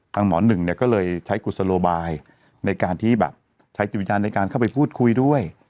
หมอหนึ่งเนี่ยก็เลยใช้กุศโลบายในการที่แบบใช้จิตวิญญาณในการเข้าไปพูดคุยด้วย